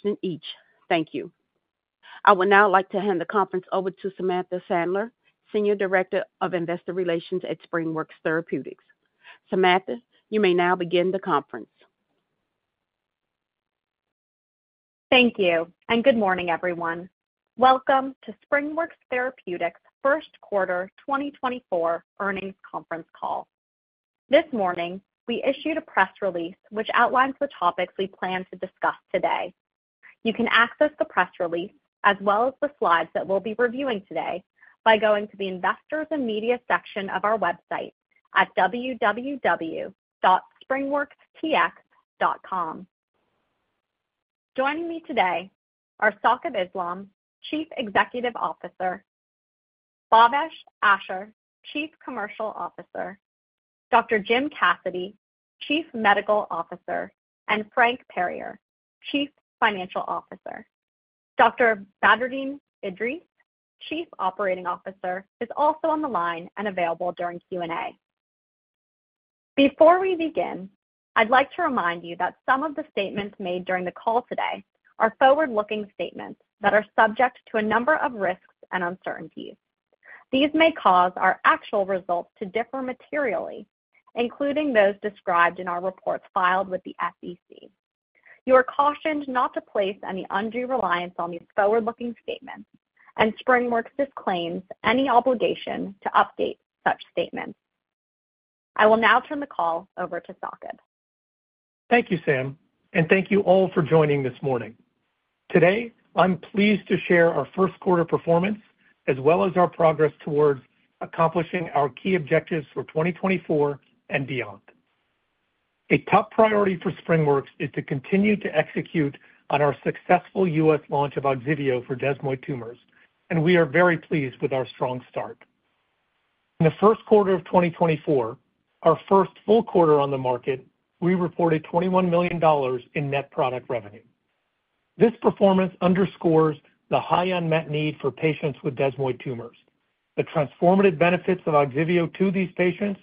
Question each. Thank you. I would now like to hand the conference over to Samantha Sandler, Senior Director of Investor Relations at SpringWorks Therapeutics. Samantha, you may now begin the conference. Thank you, and good morning, everyone. Welcome to SpringWorks Therapeutics' First Quarter 2024 Earnings Conference Call. This morning, we issued a press release which outlines the topics we plan to discuss today. You can access the press release, as well as the slides that we'll be reviewing today, by going to the Investors and Media section of our website at www.springworkstx.com. Joining me today are Saqib Islam, Chief Executive Officer; Bhavesh Ashar, Chief Commercial Officer; Dr. Jim Cassidy, Chief Medical Officer; and Frank Perier, Chief Financial Officer. Dr. Badreddin Edris, Chief Operating Officer, is also on the line and available during Q&A. Before we begin, I'd like to remind you that some of the statements made during the call today are forward-looking statements that are subject to a number of risks and uncertainties. These may cause our actual results to differ materially, including those described in our reports filed with the SEC. You are cautioned not to place any undue reliance on these forward-looking statements, and SpringWorks disclaims any obligation to update such statements. I will now turn the call over to Saqib. Thank you, Sam, and thank you all for joining this morning. Today, I'm pleased to share our first quarter performance, as well as our progress towards accomplishing our key objectives for 2024 and beyond. A top priority for SpringWorks is to continue to execute on our successful U.S. launch of Ogsiveo for desmoid tumors, and we are very pleased with our strong start. In the first quarter of 2024, our first full quarter on the market, we reported $21 million in net product revenue. This performance underscores the high unmet need for patients with desmoid tumors, the transformative benefits of Ogsiveo to these patients,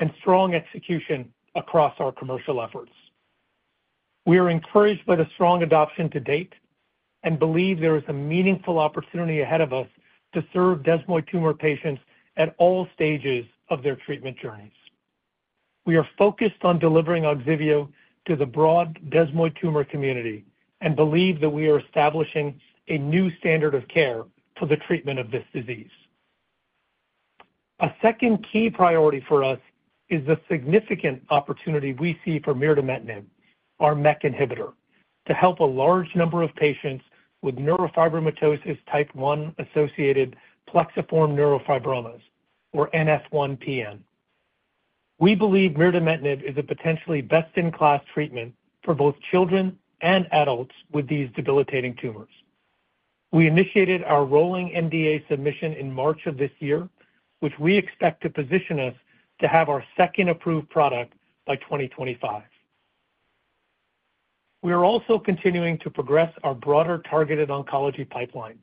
and strong execution across our commercial efforts. We are encouraged by the strong adoption to date and believe there is a meaningful opportunity ahead of us to serve desmoid tumor patients at all stages of their treatment journeys. We are focused on delivering Ogsiveo to the broad desmoid tumor community and believe that we are establishing a new standard of care for the treatment of this disease. A second key priority for us is the significant opportunity we see for mirdametinib, our MEK inhibitor, to help a large number of patients with neurofibromatosis type one-associated plexiform neurofibromas, or NF1-PN. We believe mirdametinib is a potentially best-in-class treatment for both children and adults with these debilitating tumors. We initiated our rolling NDA submission in March of this year, which we expect to position us to have our second approved product by 2025. We are also continuing to progress our broader targeted oncology pipeline,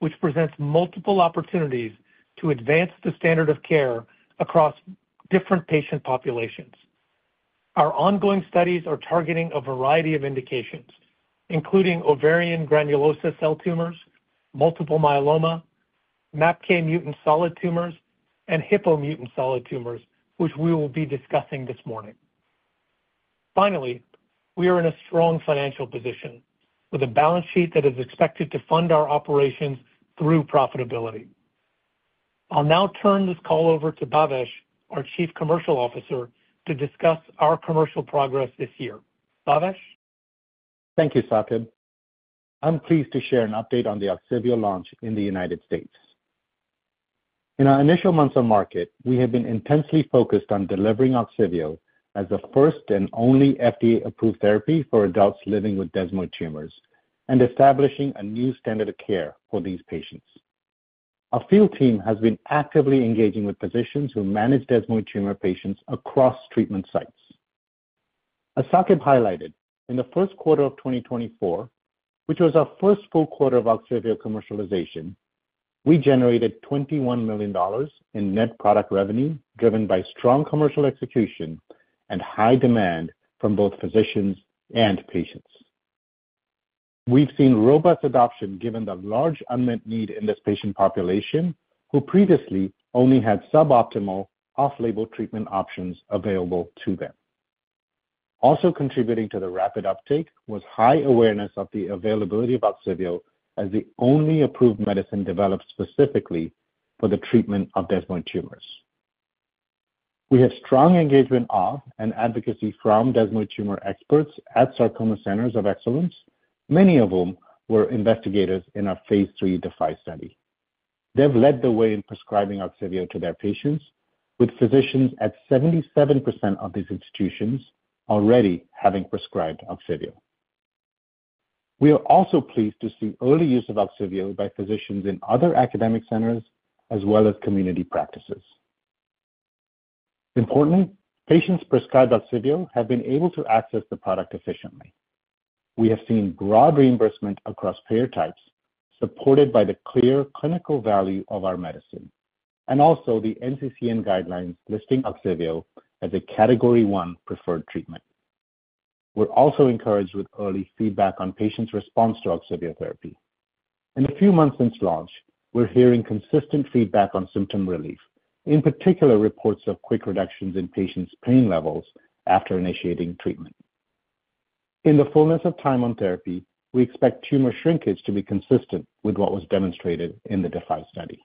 which presents multiple opportunities to advance the standard of care across different patient populations. Our ongoing studies are targeting a variety of indications, including ovarian granulosa cell tumors, multiple myeloma, MAPK mutant solid tumors, and Hippo mutant solid tumors, which we will be discussing this morning. Finally, we are in a strong financial position, with a balance sheet that is expected to fund our operations through profitability. I'll now turn this call over to Bhavesh, our Chief Commercial Officer, to discuss our commercial progress this year. Bhavesh? Thank you, Saqib. I'm pleased to share an update on the Ogsiveo launch in the United States. In our initial months on market, we have been intensely focused on delivering Ogsiveo as the first and only FDA-approved therapy for adults living with desmoid tumors and establishing a new standard of care for these patients. Our field team has been actively engaging with physicians who manage desmoid tumor patients across treatment sites. As Saqib highlighted, in the first quarter of 2024, which was our first full quarter of Ogsiveo commercialization, we generated $21 million in net product revenue, driven by strong commercial execution and high demand from both physicians and patients. We've seen robust adoption given the large unmet need in this patient population, who previously only had suboptimal off-label treatment options available to them. Also contributing to the rapid uptake was high awareness of the availability of Ogsiveo as the only approved medicine developed specifically for the treatment of desmoid tumors. We have strong engagement of and advocacy from desmoid tumor experts at Sarcoma Centers of Excellence, many of whom were investigators in our phase 3 DeFi study. They've led the way in prescribing Ogsiveo to their patients, with physicians at 77% of these institutions already having prescribed Ogsiveo. We are also pleased to see early use of Ogsiveo by physicians in other academic centers as well as community practices. Importantly, patients prescribed Ogsiveo have been able to access the product efficiently. We have seen broad reimbursement across payer types, supported by the clear clinical value of our medicine... and also the NCCN guidelines listing Ogsiveo as a Category 1 preferred treatment. We're also encouraged with early feedback on patients' response to Ogsiveo therapy. In the few months since launch, we're hearing consistent feedback on symptom relief, in particular, reports of quick reductions in patients' pain levels after initiating treatment. In the fullness of time on therapy, we expect tumor shrinkage to be consistent with what was demonstrated in the DeFi study.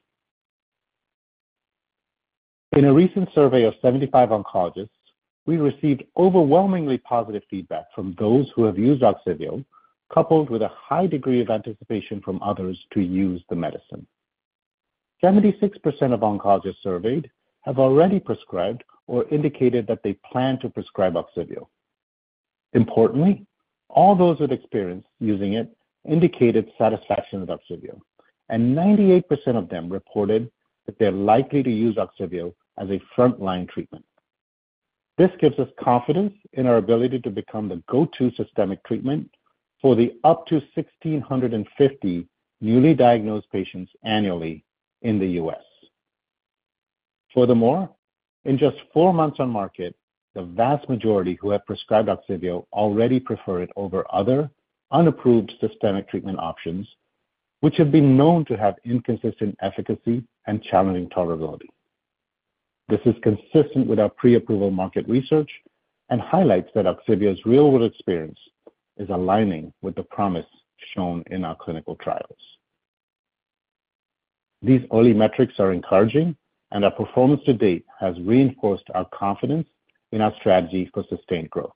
In a recent survey of 75 oncologists, we received overwhelmingly positive feedback from those who have used Ogsiveo, coupled with a high degree of anticipation from others to use the medicine. 76% of oncologists surveyed have already prescribed or indicated that they plan to prescribe Ogsiveo. Importantly, all those with experience using it indicated satisfaction with Ogsiveo, and 98% of them reported that they're likely to use Ogsiveo as a frontline treatment. This gives us confidence in our ability to become the go-to systemic treatment for the up to 1,650 newly diagnosed patients annually in the U.S. Furthermore, in just four months on market, the vast majority who have prescribed Ogsiveo already prefer it over other unapproved systemic treatment options, which have been known to have inconsistent efficacy and challenging tolerability. This is consistent with our pre-approval market research and highlights that Ogsiveo's real-world experience is aligning with the promise shown in our clinical trials. These early metrics are encouraging, and our performance to date has reinforced our confidence in our strategy for sustained growth,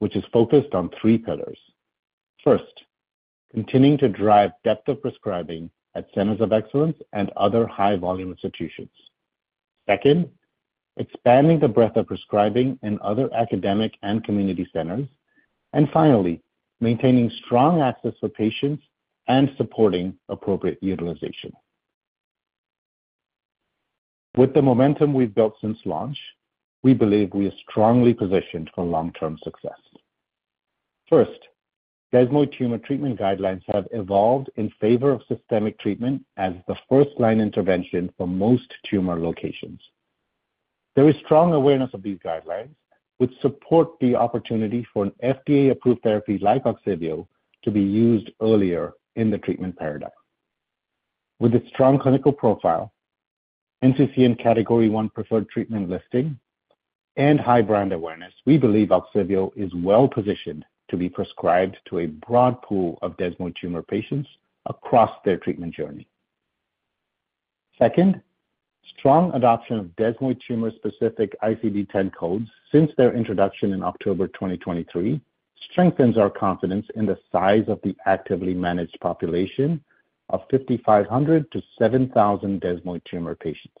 which is focused on three pillars. First, continuing to drive depth of prescribing at centers of excellence and other high-volume institutions. Second, expanding the breadth of prescribing in other academic and community centers. And finally, maintaining strong access for patients and supporting appropriate utilization. With the momentum we've built since launch, we believe we are strongly positioned for long-term success. First, desmoid tumor treatment guidelines have evolved in favor of systemic treatment as the first-line intervention for most tumor locations. There is strong awareness of these guidelines, which support the opportunity for an FDA-approved therapy like Ogsiveo to be used earlier in the treatment paradigm. With its strong clinical profile, NCCN Category 1 preferred treatment listing, and high brand awareness, we believe Ogsiveo is well-positioned to be prescribed to a broad pool of desmoid tumor patients across their treatment journey. Second, strong adoption of desmoid tumor-specific ICD-10 codes since their introduction in October 2023, strengthens our confidence in the size of the actively managed population of 5,500-7,000 desmoid tumor patients.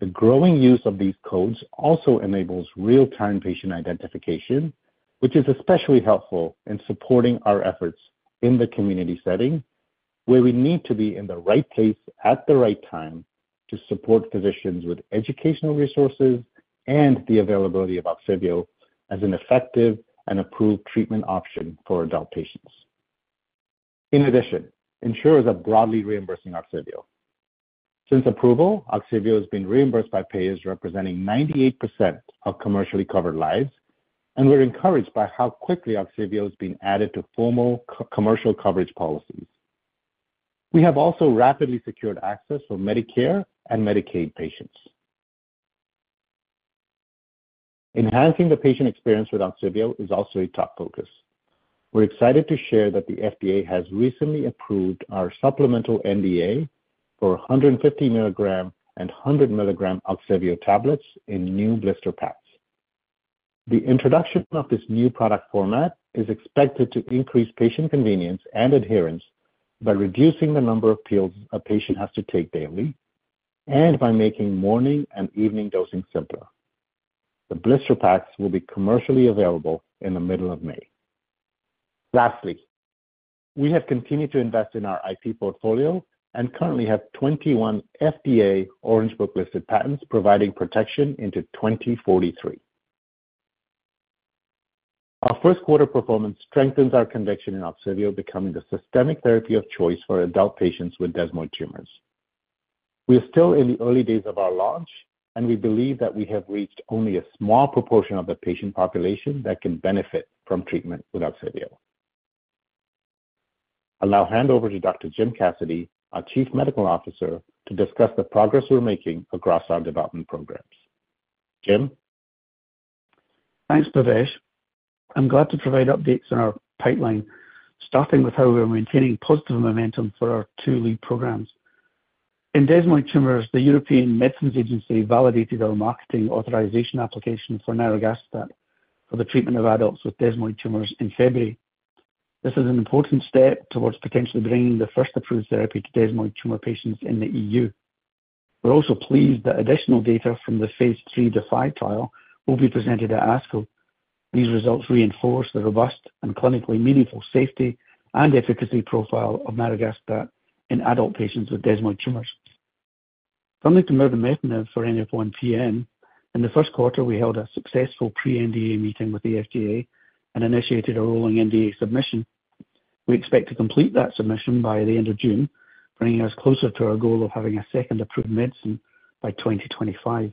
The growing use of these codes also enables real-time patient identification, which is especially helpful in supporting our efforts in the community setting, where we need to be in the right place at the right time to support physicians with educational resources and the availability of Ogsiveo as an effective and approved treatment option for adult patients. In addition, insurers are broadly reimbursing Ogsiveo. Since approval, Ogsiveo has been reimbursed by payers representing 98% of commercially covered lives, and we're encouraged by how quickly Ogsiveo is being added to formal commercial coverage policies. We have also rapidly secured access for Medicare and Medicaid patients. Enhancing the patient experience with Ogsiveo is also a top focus. We're excited to share that the FDA has recently approved our supplemental NDA for 150 milligram and 100 milligram Ogsiveo tablets in new blister packs. The introduction of this new product format is expected to increase patient convenience and adherence by reducing the number of pills a patient has to take daily and by making morning and evening dosing simpler. The blister packs will be commercially available in the middle of May. Lastly, we have continued to invest in our IP portfolio and currently have 21 FDA Orange Book listed patents, providing protection into 2043. Our first quarter performance strengthens our conviction in Ogsiveo becoming the systemic therapy of choice for adult patients with desmoid tumors. We are still in the early days of our launch, and we believe that we have reached only a small proportion of the patient population that can benefit from treatment with Ogsiveo. I'll now hand over to Dr. Jim Cassidy, our Chief Medical Officer, to discuss the progress we're making across our development programs. Jim? Thanks, Bhavesh. I'm glad to provide updates on our pipeline, starting with how we are maintaining positive momentum for our two lead programs. In desmoid tumors, the European Medicines Agency validated our marketing authorization application for nirogacestat for the treatment of adults with desmoid tumors in February. This is an important step towards potentially bringing the first approved therapy to desmoid tumor patients in the EU. We're also pleased that additional data from the phase 3 DeFi trial will be presented at ASCO. These results reinforce the robust and clinically meaningful safety and efficacy profile of nirogacestat in adult patients with desmoid tumors. Turning to mirdametinib for NF1-PN. In the first quarter, we held a successful pre-NDA meeting with the FDA and initiated a rolling NDA submission.... We expect to complete that submission by the end of June, bringing us closer to our goal of having a second approved medicine by 2025.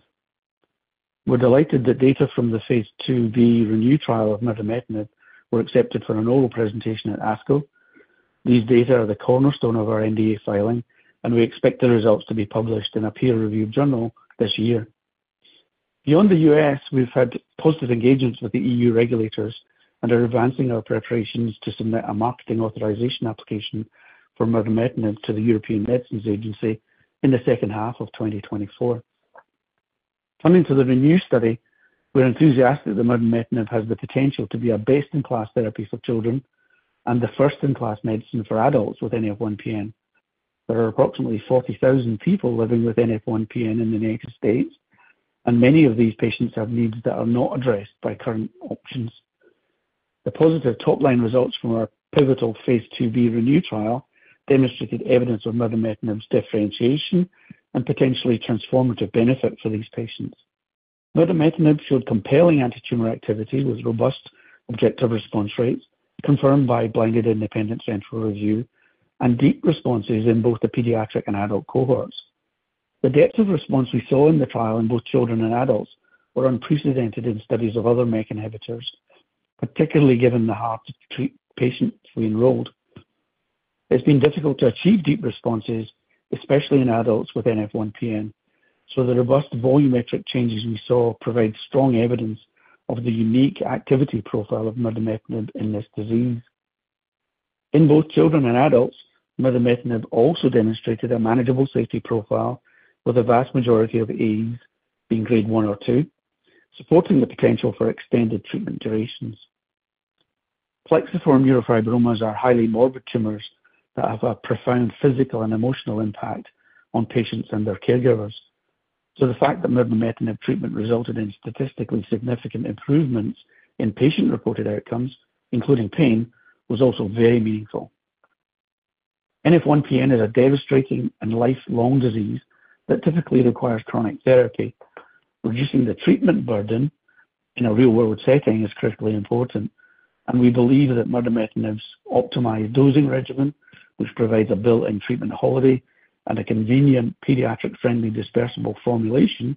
We're delighted that data from the phase 2b ReNeu trial of mirdametinib were accepted for an oral presentation at ASCO. These data are the cornerstone of our NDA filing, and we expect the results to be published in a peer-reviewed journal this year. Beyond the U.S., we've had positive engagements with the EU regulators and are advancing our preparations to submit a marketing authorization application for mirdametinib to the European Medicines Agency in the second half of 2024. Coming to the ReNeu study, we're enthusiastic that mirdametinib has the potential to be our best-in-class therapy for children and the first-in-class medicine for adults with NF1-PN. There are approximately 40,000 people living with NF1-PN in the United States, and many of these patients have needs that are not addressed by current options. The positive top-line results from our pivotal phase 2b ReNeu trial demonstrated evidence of mirdametinib's differentiation and potentially transformative benefit for these patients. Mirdametinib showed compelling antitumor activity with robust objective response rates, confirmed by blinded independent central review and deep responses in both the pediatric and adult cohorts. The depth of response we saw in the trial in both children and adults were unprecedented in studies of other MEK inhibitors, particularly given the hard-to-treat patients we enrolled. It's been difficult to achieve deep responses, especially in adults with NF1-PN, so the robust volumetric changes we saw provide strong evidence of the unique activity profile of mirdametinib in this disease. In both children and adults, mirdametinib also demonstrated a manageable safety profile, with the vast majority of AEs being grade one or two, supporting the potential for extended treatment durations. Plexiform neurofibromas are highly morbid tumors that have a profound physical and emotional impact on patients and their caregivers. So the fact that mirdametinib treatment resulted in statistically significant improvements in patient-reported outcomes, including pain, was also very meaningful. NF1-PN is a devastating and lifelong disease that typically requires chronic therapy. Reducing the treatment burden in a real-world setting is critically important, and we believe that mirdametinib's optimized dosing regimen, which provides a built-in treatment holiday and a convenient, pediatric-friendly, dispersible formulation,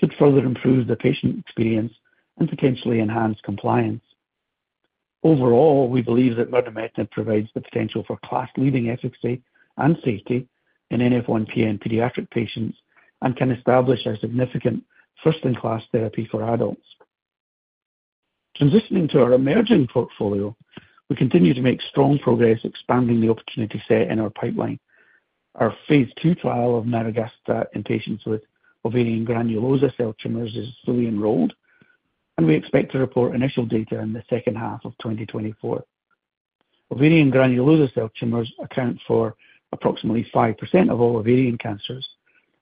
could further improve the patient experience and potentially enhance compliance. Overall, we believe that mirdametinib provides the potential for class-leading efficacy and safety in NF1-PN pediatric patients and can establish a significant first-in-class therapy for adults. Transitioning to our emerging portfolio, we continue to make strong progress expanding the opportunity set in our pipeline. Our phase 2 trial of nirogacestat in patients with ovarian granulosa cell tumors is fully enrolled, and we expect to report initial data in the second half of 2024. Ovarian granulosa cell tumors account for approximately 5% of all ovarian cancers,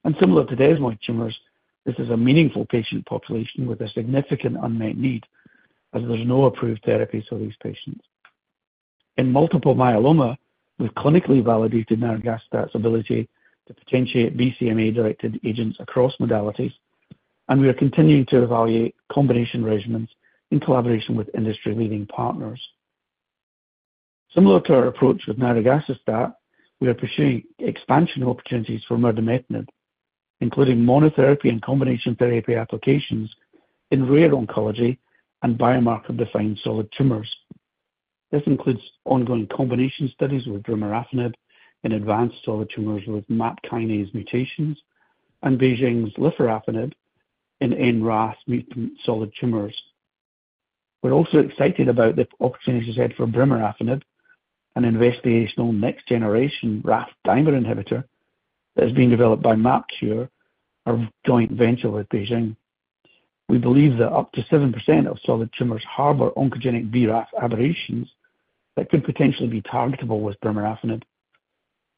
and similar to desmoid tumors, this is a meaningful patient population with a significant unmet need, as there's no approved therapy for these patients. In multiple myeloma, we've clinically validated nirogacestat's ability to potentiate BCMA-directed agents across modalities, and we are continuing to evaluate combination regimens in collaboration with industry-leading partners. Similar to our approach with nirogacestat, we are pursuing expansion opportunities for mirdametinib, including monotherapy and combination therapy applications in rare oncology and biomarker-defined solid tumors. This includes ongoing combination studies with brimarafenib in advanced solid tumors with MAP kinase mutations and BeiGene's lifirafenib in NRAS-mutant solid tumors. We're also excited about the opportunities ahead for brimarafenib, an investigational next-generation RAF dimer inhibitor that is being developed by MapKure, our joint venture with BeiGene. We believe that up to 7% of solid tumors harbor oncogenic BRAF aberrations that could potentially be targetable with brimarafenib.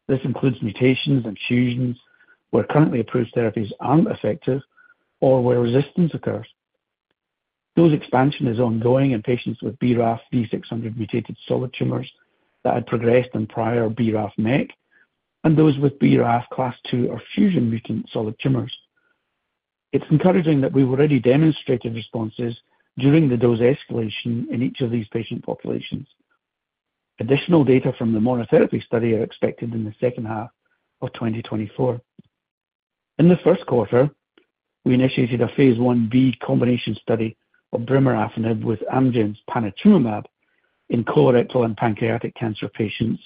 This includes mutations and fusions, where currently approved therapies aren't effective or where resistance occurs. The expansion is ongoing in patients with BRAF V600 mutated solid tumors that had progressed on prior BRAF MEK and those with BRAF class two or fusion-mutant solid tumors. It's encouraging that we've already demonstrated responses during the dose escalation in each of these patient populations. Additional data from the monotherapy study are expected in the second half of 2024. In the first quarter, we initiated a phase 1b combination study of brimarafenib with Amgen's panitumumab in colorectal and pancreatic cancer patients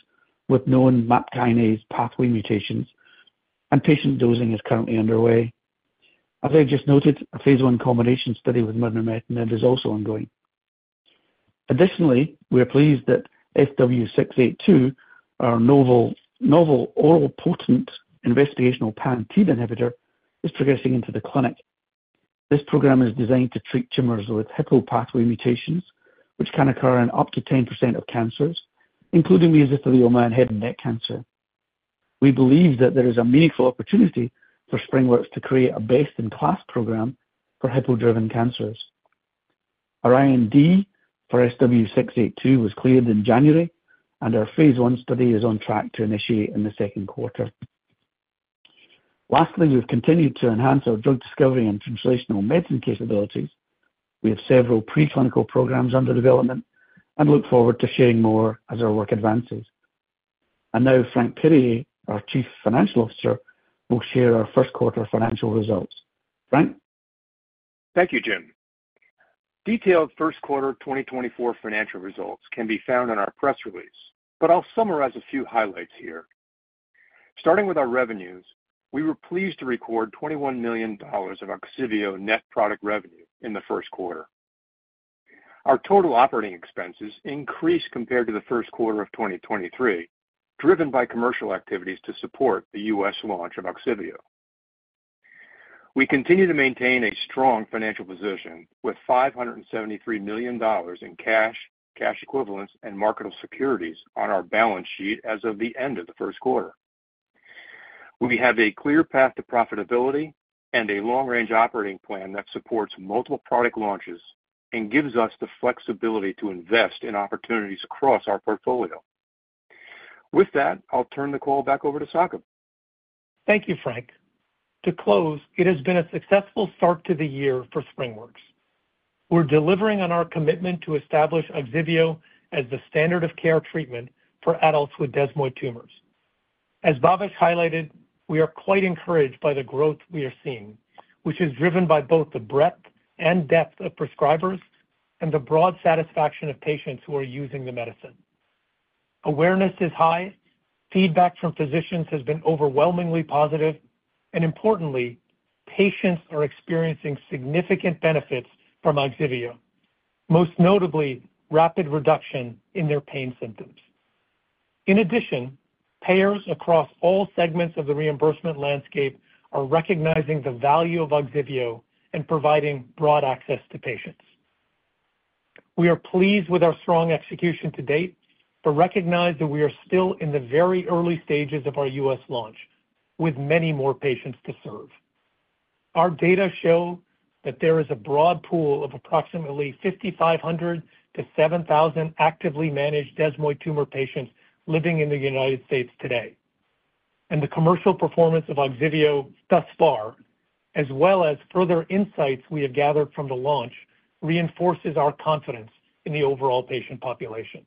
with known MAP kinase pathway mutations, and patient dosing is currently underway. As I just noted, a phase 1 combination study with mirdametinib is also ongoing. Additionally, we are pleased that SW-682, our novel oral potent investigational pan-TEAD inhibitor, is progressing into the clinic. This program is designed to treat tumors with Hippo pathway mutations, which can occur in up to 10% of cancers, including mesothelioma and head and neck cancer. We believe that there is a meaningful opportunity for SpringWorks to create a best-in-class program for Hippo-driven cancers. Our IND for SW-682 was cleared in January, and our phase 1 study is on track to initiate in the second quarter.... lastly, we've continued to enhance our drug discovery and translational medicine capabilities. We have several preclinical programs under development and look forward to sharing more as our work advances. And now, Frank Perier, our Chief Financial Officer, will share our first quarter financial results. Frank? Thank you, Jim. Detailed first quarter 2024 financial results can be found in our press release, but I'll summarize a few highlights here. Starting with our revenues, we were pleased to record $21 million of Ogsiveo net product revenue in the first quarter. Our total operating expenses increased compared to the first quarter of 2023, driven by commercial activities to support the U.S. launch of Ogsiveo. We continue to maintain a strong financial position, with $573 million in cash, cash equivalents, and marketable securities on our balance sheet as of the end of the first quarter. We have a clear path to profitability and a long-range operating plan that supports multiple product launches and gives us the flexibility to invest in opportunities across our portfolio. With that, I'll turn the call back over to Saqib. Thank you, Frank. To close, it has been a successful start to the year for SpringWorks. We're delivering on our commitment to establish Ogsiveo as the standard of care treatment for adults with desmoid tumors. As Bhavesh highlighted, we are quite encouraged by the growth we are seeing, which is driven by both the breadth and depth of prescribers and the broad satisfaction of patients who are using the medicine. Awareness is high, feedback from physicians has been overwhelmingly positive, and importantly, patients are experiencing significant benefits from Ogsiveo, most notably, rapid reduction in their pain symptoms. In addition, payers across all segments of the reimbursement landscape are recognizing the value of Ogsiveo and providing broad access to patients. We are pleased with our strong execution to date, but recognize that we are still in the very early stages of our US launch, with many more patients to serve. Our data show that there is a broad pool of approximately 5,500-7,000 actively managed desmoid tumor patients living in the United States today, and the commercial performance of Ogsiveo thus far, as well as further insights we have gathered from the launch, reinforces our confidence in the overall patient population.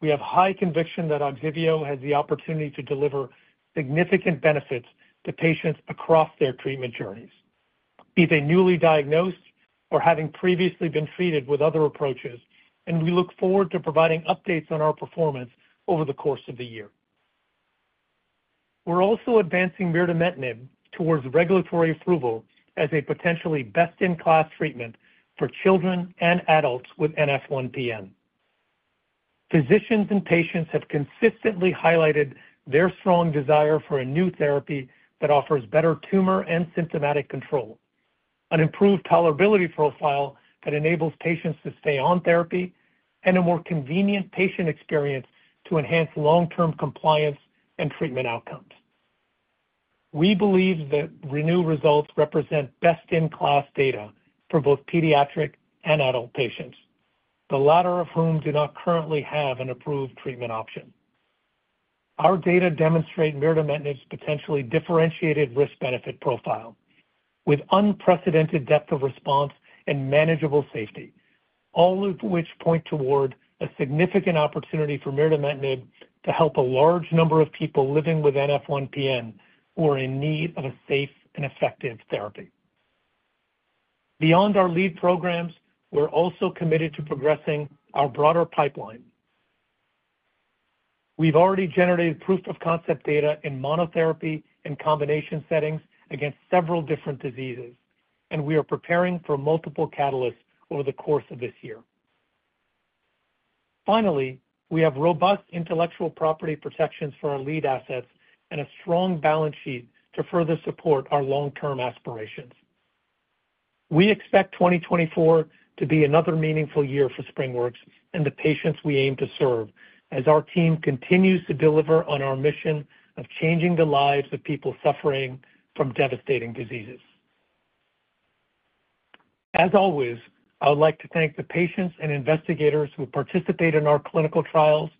We have high conviction that Ogsiveo has the opportunity to deliver significant benefits to patients across their treatment journeys, be they newly diagnosed or having previously been treated with other approaches, and we look forward to providing updates on our performance over the course of the year. We're also advancing mirdametinib towards regulatory approval as a potentially best-in-class treatment for children and adults with NF1-PN. Physicians and patients have consistently highlighted their strong desire for a new therapy that offers better tumor and symptomatic control, an improved tolerability profile that enables patients to stay on therapy, and a more convenient patient experience to enhance long-term compliance and treatment outcomes. We believe that ReNeu results represent best-in-class data for both pediatric and adult patients, the latter of whom do not currently have an approved treatment option. Our data demonstrate mirdametinib's potentially differentiated risk-benefit profile with unprecedented depth of response and manageable safety, all of which point toward a significant opportunity for mirdametinib to help a large number of people living with NF1-PN who are in need of a safe and effective therapy. Beyond our lead programs, we're also committed to progressing our broader pipeline. We've already generated proof of concept data in monotherapy and combination settings against several different diseases, and we are preparing for multiple catalysts over the course of this year. Finally, we have robust intellectual property protections for our lead assets and a strong balance sheet to further support our long-term aspirations. We expect 2024 to be another meaningful year for SpringWorks and the patients we aim to serve, as our team continues to deliver on our mission of changing the lives of people suffering from devastating diseases. As always, I would like to thank the patients and investigators who participate in our clinical trials,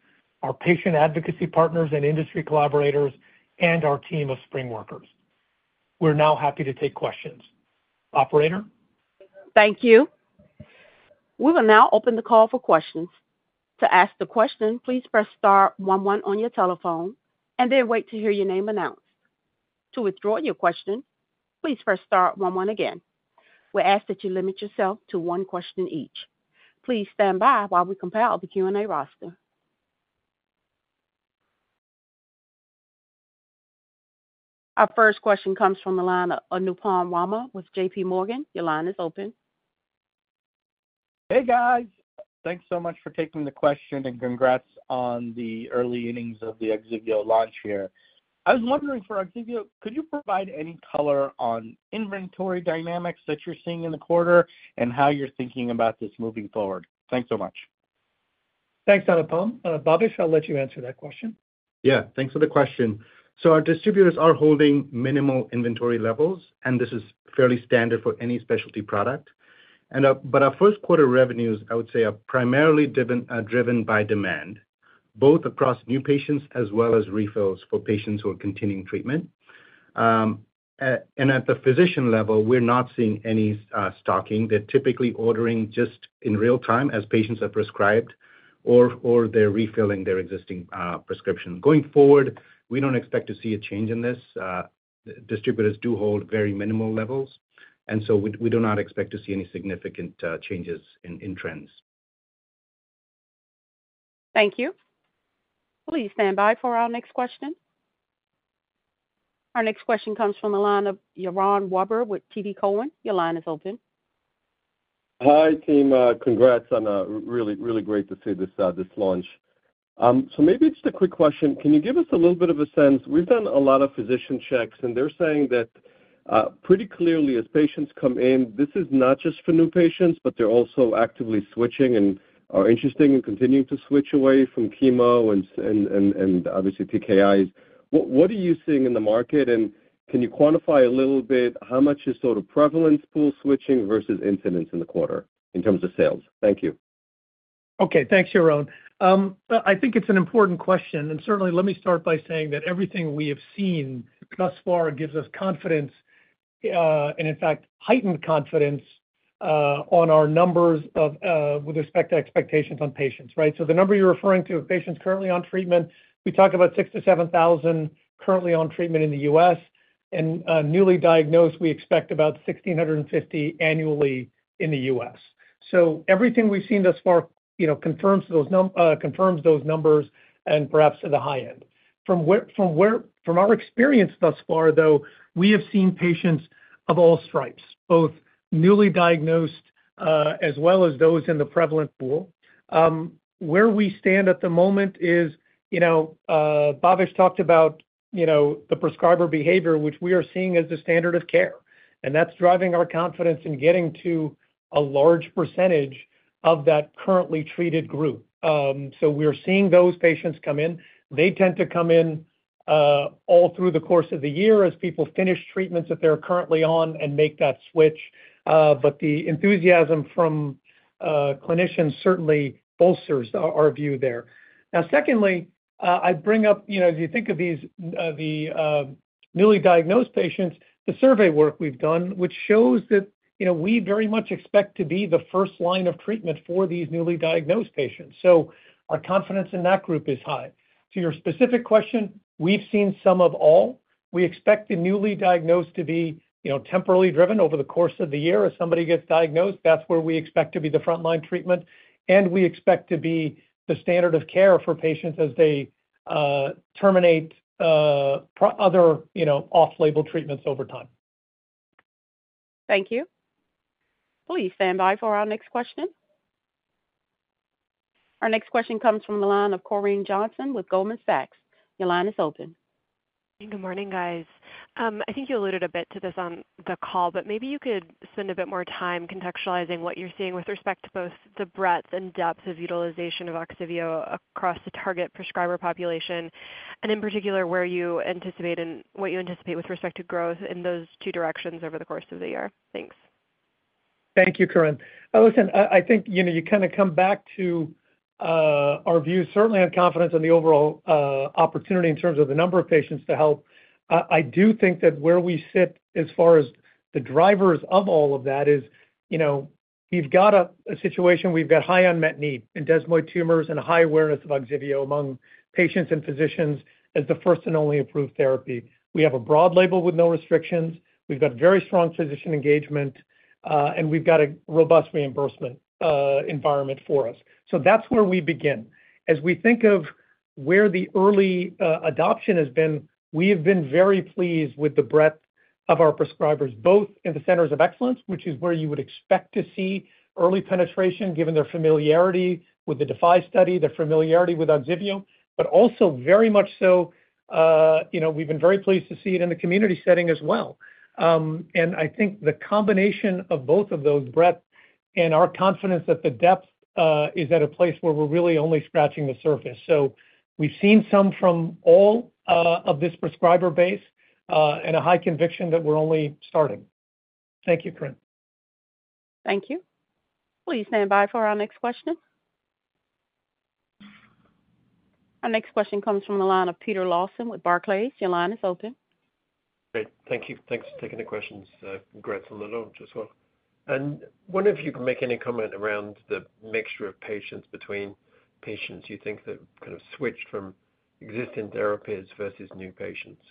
our patient advocacy partners and industry collaborators, and our team of SpringWorkers. We're now happy to take questions. Operator? Thank you. We will now open the call for questions. To ask the question, please press star one one on your telephone and then wait to hear your name announced. To withdraw your question, please press star one one again. We ask that you limit yourself to one question each. Please stand by while we compile the Q&A roster. Our first question comes from the line of Anupam Rama with J.P. Morgan. Your line is open. Hey, guys. Thanks so much for taking the question, and congrats on the early innings of the Ogsiveo launch here. I was wondering, for Ogsiveo, could you provide any color on inventory dynamics that you're seeing in the quarter, and how you're thinking about this moving forward? Thanks so much. Thanks, Anupam. Bhavesh, I'll let you answer that question. Yeah, thanks for the question. So our distributors are holding minimal inventory levels, and this is fairly standard for any specialty product. And, but our first quarter revenues, I would say, are primarily driven by demand.... both across new patients as well as refills for patients who are continuing treatment. And at the physician level, we're not seeing any stocking. They're typically ordering just in real time as patients are prescribed, or they're refilling their existing prescription. Going forward, we don't expect to see a change in this. Distributors do hold very minimal levels, and so we do not expect to see any significant changes in trends. Thank you. Please stand by for our next question. Our next question comes from the line of Yaron Werber with TD Cowen. Your line is open. Hi, team. Congrats on a really, really great to see this, this launch. Maybe just a quick question. Can you give us a little bit of a sense. We've done a lot of physician checks, and they're saying that, pretty clearly, as patients come in, this is not just for new patients, but they're also actively switching and are interested in continuing to switch away from chemo and, and, and, obviously, TKIs. What, what are you seeing in the market, and can you quantify a little bit how much is sort of prevalent pool switching versus incidence in the quarter in terms of sales? Thank you. Okay, thanks, Yaron. I think it's an important question, and certainly let me start by saying that everything we have seen thus far gives us confidence, and in fact, heightened confidence, on our numbers of, with respect to expectations on patients, right? So the number you're referring to of patients currently on treatment, we talk about 6,000-7,000 currently on treatment in the US, and, newly diagnosed, we expect about 1,650 annually in the US. So everything we've seen thus far, you know, confirms those numbers and perhaps at the high end. From our experience thus far, though, we have seen patients of all stripes, both newly diagnosed, as well as those in the prevalent pool. Where we stand at the moment is, you know, Bhavesh talked about, you know, the prescriber behavior, which we are seeing as the standard of care, and that's driving our confidence in getting to a large percentage of that currently treated group. So we're seeing those patients come in. They tend to come in all through the course of the year as people finish treatments that they're currently on and make that switch, but the enthusiasm from clinicians certainly bolsters our view there. Now, secondly, I bring up, you know, as you think of these the newly diagnosed patients, the survey work we've done, which shows that, you know, we very much expect to be the first line of treatment for these newly diagnosed patients. So our confidence in that group is high. To your specific question, we've seen some of all. We expect the newly diagnosed to be, you know, temporally driven over the course of the year. As somebody gets diagnosed, that's where we expect to be the frontline treatment, and we expect to be the standard of care for patients as they terminate other, you know, off-label treatments over time. Thank you. Please stand by for our next question. Our next question comes from the line of Corinne Johnson with Goldman Sachs. Your line is open. Good morning, guys. I think you alluded a bit to this on the call, but maybe you could spend a bit more time contextualizing what you're seeing with respect to both the breadth and depth of utilization of Ogsiveo across the target prescriber population, and in particular, where you anticipate and what you anticipate with respect to growth in those two directions over the course of the year. Thanks. Thank you, Corinne. Listen, I think, you know, you kind of come back to our view, certainly on confidence on the overall opportunity in terms of the number of patients to help. I do think that where we sit as far as the drivers of all of that is, you know, we've got a situation, we've got high unmet need in desmoid tumors and a high awareness of Ogsiveo among patients and physicians as the first and only approved therapy. We have a broad label with no restrictions. We've got very strong physician engagement, and we've got a robust reimbursement environment for us. So that's where we begin. As we think of where the early adoption has been, we have been very pleased with the breadth of our prescribers, both in the centers of excellence, which is where you would expect to see early penetration, given their familiarity with the DeFi study, their familiarity with Ogsiveo, but also very much so, you know, we've been very pleased to see it in the community setting as well. And I think the combination of both of those breadth and our confidence that the depth is at a place where we're really only scratching the surface. So we've seen some from all of this prescriber base, and a high conviction that we're only starting. Thank you, Corinne. Thank you. Please stand by for our next question. Our next question comes from the line of Peter Lawson with Barclays. Your line is open. Great. Thank you. Thanks for taking the questions, congrats on the launch as well. I wonder if you can make any comment around the mixture of patients between patients you think that kind of switched from existing therapies versus new patients?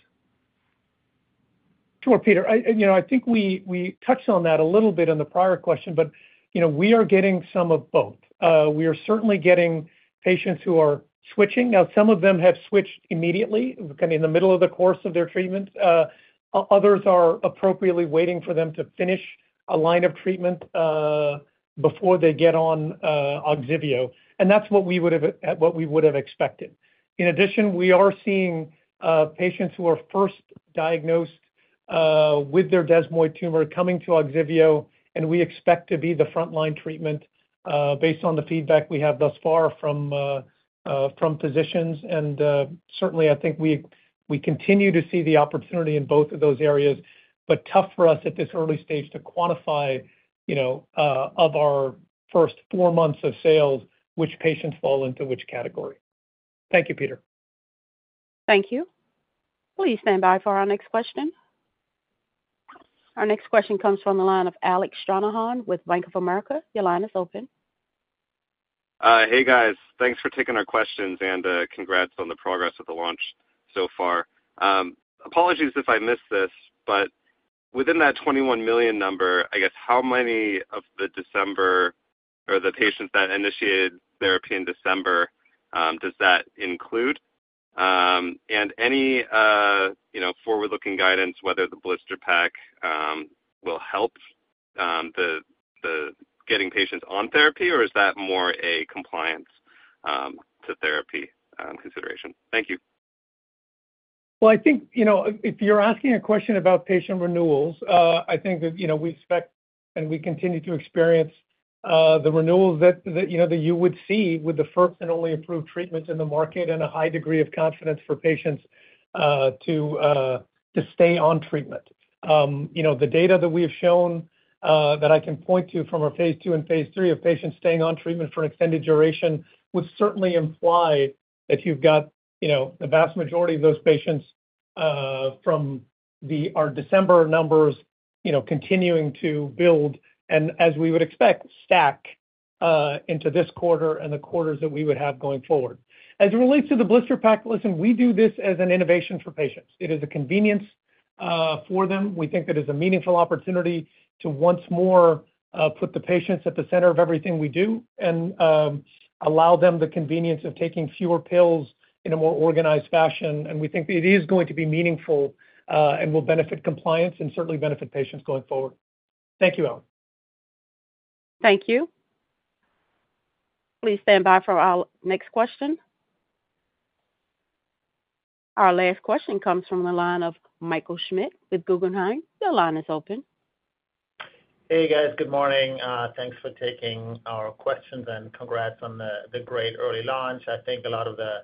Sure, Peter. I, you know, I think we, we touched on that a little bit in the prior question, but, you know, we are getting some of both. We are certainly getting patients who are switching. Now, some of them have switched immediately, kind of in the middle of the course of their treatment. Others are appropriately waiting for them to finish a line of treatment, before they get on Ogsiveo, and that's what we would have, what we would have expected. In addition, we are seeing patients who are first diagnosed with their desmoid tumor coming to Ogsiveo, and we expect to be the front-line treatment, based on the feedback we have thus far from physicians. Certainly, I think we continue to see the opportunity in both of those areas, but tough for us at this early stage to quantify, you know, of our first four months of sales, which patients fall into which category. Thank you, Peter. Thank you. Please stand by for our next question. Our next question comes from the line of Alec Stranahan with Bank of America. Your line is open. Hey, guys. Thanks for taking our questions, and congrats on the progress of the launch so far. Apologies if I missed this, but within that $21 million number, I guess, how many of the December... or the patients that initiated therapy in December, does that include? And any, you know, forward-looking guidance, whether the blister pack will help the getting patients on therapy, or is that more a compliance to therapy consideration? Thank you. Well, I think, you know, if you're asking a question about patient renewals, I think that, you know, we expect and we continue to experience the renewals that, that, you know, that you would see with the first and only approved treatments in the market and a high degree of confidence for patients to stay on treatment. You know, the data that we have shown that I can point to from our phase 2 and phase 3 of patients staying on treatment for an extended duration would certainly imply that you've got, you know, the vast majority of those patients from our December numbers, you know, continuing to build, and as we would expect, stack into this quarter and the quarters that we would have going forward. As it relates to the blister pack, listen, we do this as an innovation for patients. It is a convenience for them. We think it is a meaningful opportunity to once more put the patients at the center of everything we do and allow them the convenience of taking fewer pills in a more organized fashion. And we think it is going to be meaningful and will benefit compliance and certainly benefit patients going forward. Thank you, Alex. Thank you. Please stand by for our next question. Our last question comes from the line of Michael Schmidt with Guggenheim. Your line is open. Hey, guys. Good morning. Thanks for taking our questions, and congrats on the great early launch. I think a lot of the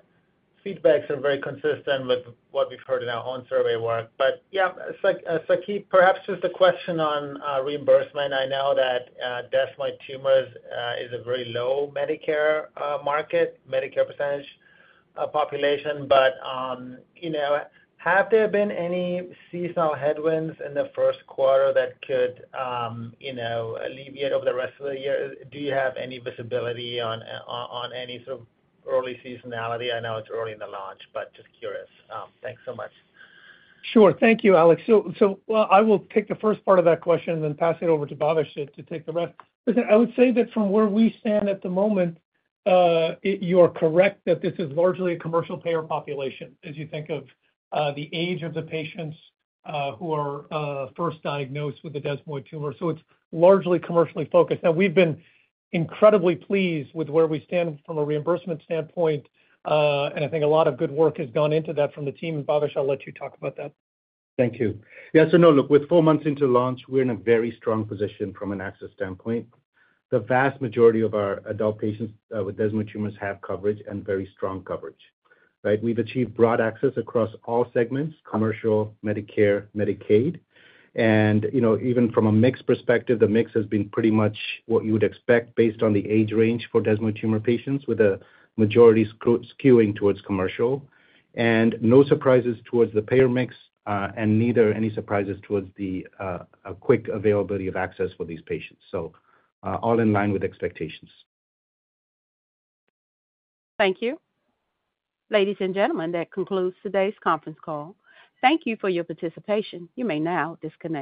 feedbacks are very consistent with what we've heard in our own survey work. But, yeah, Saqib, perhaps just a question on reimbursement. I know that desmoid tumors is a very low Medicare market, Medicare percentage population. But, you know, have there been any seasonal headwinds in the first quarter that could, you know, alleviate over the rest of the year? Do you have any visibility on, on any sort of early seasonality? I know it's early in the launch, but just curious. Thanks so much. Sure. Thank you, Alex. So, well, I will take the first part of that question and then pass it over to Bhavesh to take the rest. Listen, I would say that from where we stand at the moment, you're correct that this is largely a commercial payer population, as you think of the age of the patients who are first diagnosed with the desmoid tumor. So it's largely commercially focused. Now, we've been incredibly pleased with where we stand from a reimbursement standpoint, and I think a lot of good work has gone into that from the team. AndBhavesh, I'll let you talk about that. Thank you. Yeah, so no, look, we're four months into launch, we're in a very strong position from an access standpoint. The vast majority of our adult patients with desmoid tumors have coverage and very strong coverage, right? We've achieved broad access across all segments, commercial, Medicare, Medicaid. And, you know, even from a mix perspective, the mix has been pretty much what you would expect based on the age range for desmoid tumor patients, with a majority skewing towards commercial. And no surprises towards the payer mix, and neither any surprises towards the quick availability of access for these patients. So, all in line with expectations. Thank you. Ladies and gentlemen, that concludes today's conference call. Thank you for your participation. You may now disconnect.